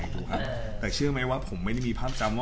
แล้วพี่เขาถามว่าทำไมถึงชอบหนู